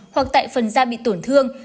hoặc tại phần da bị tổn thương